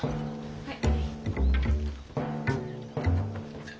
はい。